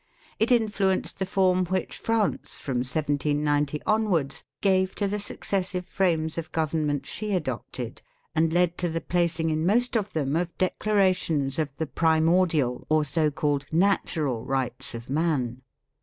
It influenced the form which France from 1790 onwards gave to the successive frames of Government she adopted, and led to the placing in most of them of declarations of the primordial or so called " Natural " Rights of Man.